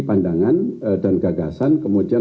pandangan dan gagasan kemudian